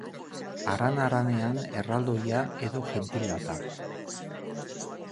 Aran haranean erraldoia edo jentil bat da.